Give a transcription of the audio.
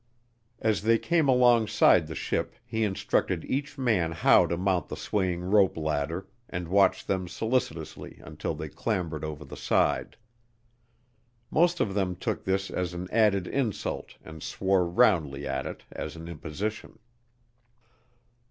As they came alongside the ship he instructed each man how to mount the swaying rope ladder and watched them solicitously until they clambered over the side. Most of them took this as an added insult and swore roundly at it as an imposition.